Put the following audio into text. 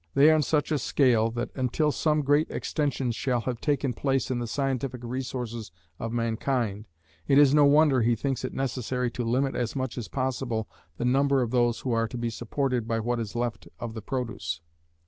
They are on such a scale, that until some great extension shall have taken place in the scientific resources of mankind, it is no wonder he thinks it necessary to limit as much as possible the number of those who are to be supported by what is left of the produce.